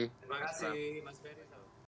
terima kasih mas ferry